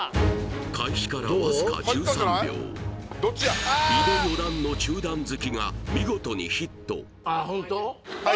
開始からわずか１３秒井手四段の中段突きが見事にヒットはい！